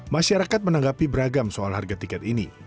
masyarakat menanggapi beragam soal harga tiket ini